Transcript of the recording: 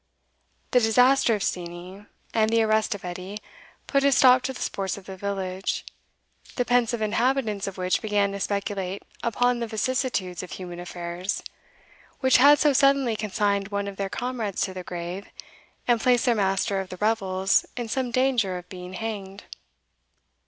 The disaster of Steenie, and the arrest of Edie, put a stop to the sports of the village, the pensive inhabitants of which began to speculate upon the vicissitudes of human affairs, which had so suddenly consigned one of their comrades to the grave, and placed their master of the revels in some danger of being hanged.